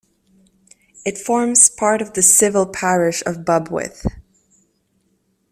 It forms part of the civil parish of Bubwith.